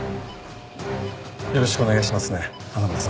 よろしくお願いしますね花村さん。